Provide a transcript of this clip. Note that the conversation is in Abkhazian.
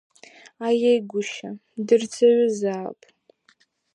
Аиеи гәышьа, дырҵаҩызаап.